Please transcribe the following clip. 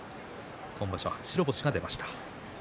今場所、初白星が出ました。